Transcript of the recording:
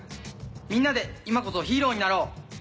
みんなで今こそヒーローになろう！